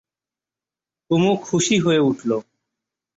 কুমু খুশি হয়ে উঠল।